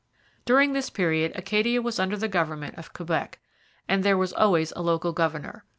During this period Acadia was under the government of Quebec, but there was always a local governor.